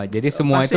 jadi semua itu